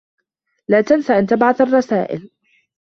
لا تنس أن تبعث الرّسائل.